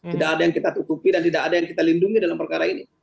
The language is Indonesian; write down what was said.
tidak ada yang kita tutupi dan tidak ada yang kita lindungi dalam perkara ini